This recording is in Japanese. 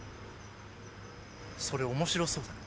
それ面白そうだね